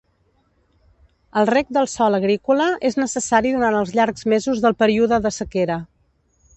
El reg del sòl agrícola és necessari durant els llargs mesos del període de sequera.